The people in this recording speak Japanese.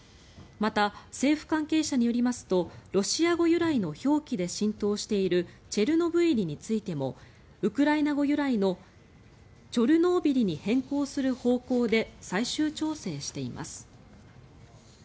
また、政府関係者によりますとロシア語由来の表記で浸透しているチェルノブイリについてもウクライナ語由来のチョルノービリに変更する方向で最終調整しています。